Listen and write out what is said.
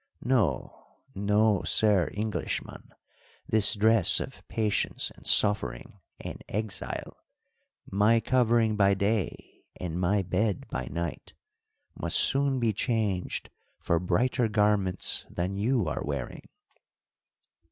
No, no, sir Englishman, this dress of patience and suffering and exile, my covering by day and my bed by night, must soon be changed for brighter garments than you are wearing."